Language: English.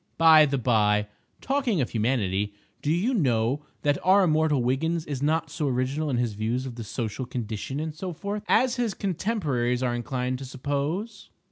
By the by, talking of Humanity, do you know that our immortal Wiggins is not so original in his views of the Social Condition and so forth, as his contemporaries are inclined to suppose?